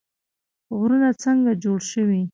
غرونه څنګه جوړ شوي؟